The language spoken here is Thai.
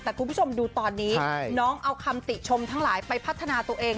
แต่คุณผู้ชมดูตอนนี้น้องเอาคำติชมทั้งหลายไปพัฒนาตัวเอง